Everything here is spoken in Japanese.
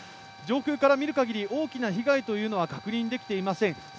上空から見るかぎり大きな被害は確認されていません。